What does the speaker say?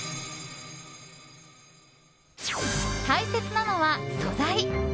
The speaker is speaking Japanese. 大切なのは素材。